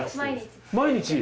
毎日。